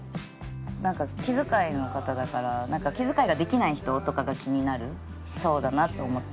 なんか気遣いの方だから気遣いができない人とかが気になりそうだなって思った。